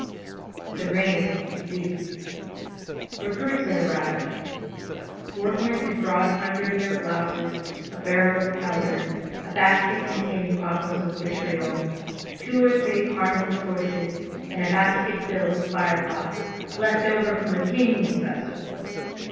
The rain had ceased. Recruits had arrived. Workmen had brought under their blouses a barrel of powder, a basket containing bottles of vitriol, two or three carnival torches, and a basket filled with fire pots, "left over from the King's festival."